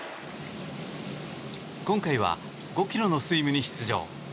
今回は５ｋｍのスイムに出場。